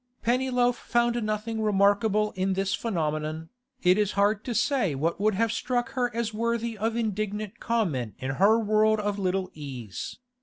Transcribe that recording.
Pennyloaf found nothing remarkable in this phenomenon; it is hard to say what would have struck her as worthy of indignant comment in her world of little ease.